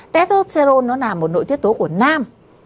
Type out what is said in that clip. tetosterone nó là một nội tiết tố của nam